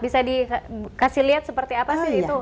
bisa dikasih lihat seperti apa sih itu